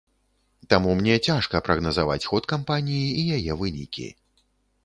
Таму мяне цяжка прагназаваць ход кампаніі і яе вынікі.